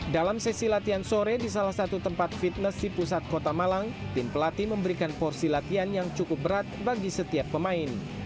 dalam sesi latihan sore di salah satu tempat fitness di pusat kota malang tim pelatih memberikan porsi latihan yang cukup berat bagi setiap pemain